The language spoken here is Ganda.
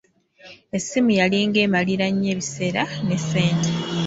Essimu yalinga emmalira nnyo ebiseera ne ssente.